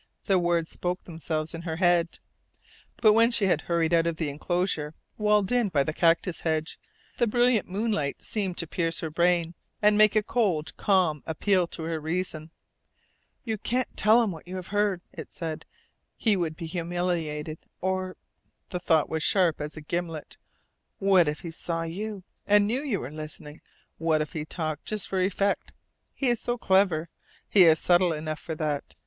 The words spoke themselves in her head. But when she had hurried out of the enclosure walled in by the cactus hedge, the brilliant moonlight seemed to pierce her brain, and make a cold, calm appeal to her reason. "You can't tell him what you have heard," it said. "He would be humiliated. Or" the thought was sharp as a gimlet "what if he saw you, and knew you were listening? What if he talked just for effect? He is so clever! He is subtle enough for that.